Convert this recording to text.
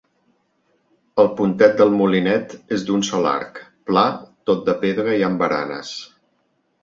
El Pontet del Molinet és d'un sol arc, pla, tot de pedra i amb baranes.